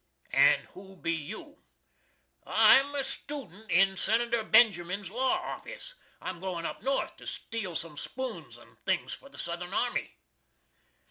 '" "And who be you?" "I'm a stoodent in Senator Benjamin's law offiss. I'm going up North to steal some spoons and things for the Southern Army."